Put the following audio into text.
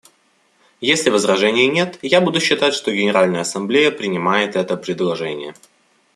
Если возражений нет, я буду считать, что Генеральная Ассамблея принимает это предложение.